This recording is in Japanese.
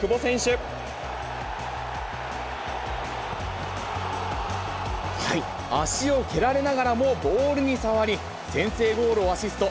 はい、足を蹴られながらも、ボールに触り、先制ゴールをアシスト。